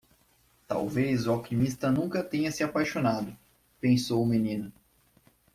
Talvez o alquimista nunca tenha se apaixonado, pensou o menino.